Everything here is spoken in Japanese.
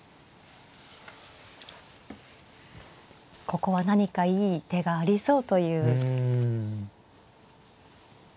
ここは何かいい手がありそうという。